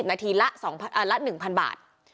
นาทีละ๑๐๐บาท